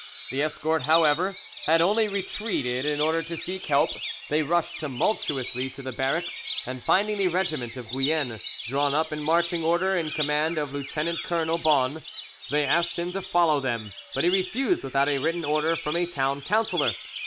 The escort, however, had only retreated in order to seek help; they rushed tumultuously to the barracks, and finding the regiment of Guienne drawn up in marching order in command of Lieutenant Colonel Bonne, they asked him to follow them, but he refused without a written order from a Town Councillor.